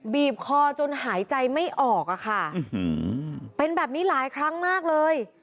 บีบคอจนหายใจไม่ออกอะค่ะเป็นแบบนี้หลายครั้งมากเลย